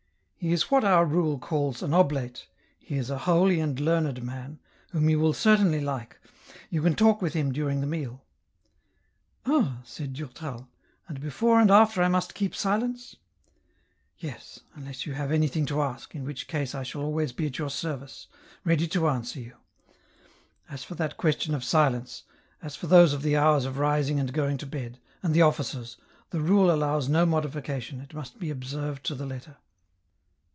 He is what our rule calls an oblate, he is a holy and learned man, whom you will certainly like ; you can talk with him during the meal." " Ah !" said Durtal, " and before and after I must keep silence ?"" Yes, unless you have anything to ask, in which case I shall be always at your service, ready to answer you. l60 EN ROUTE. As for that question of silence, as for those of the hours of rising and going to bed, and the offices, the rule allows no modification, it must be observed to the letter."